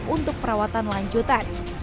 untuk perawatan lanjutan